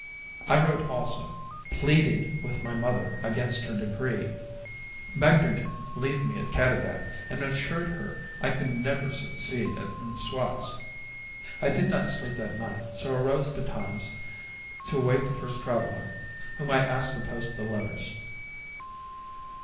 I wrote also pleaded with my mother against her decree, begged her to leave me at Caddagat, and assured her I could never succeed at M'Swat's. I did not sleep that night, so arose betimes to await the first traveller, whom I asked to post the letters.